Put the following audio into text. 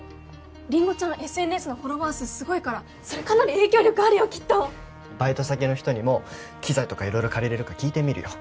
りんごちゃんＳＮＳのフォロワー数すごいからそれかなり影響力あるよきっとバイト先の人にも機材とか色々借りれるか聞いてみるよ